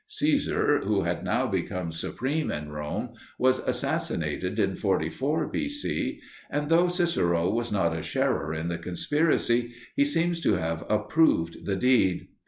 Caesar, who had now become supreme in Rome, was assassinated in 44 B.C., and though Cicero was not a sharer in the conspiracy, he seems to have approved the deed.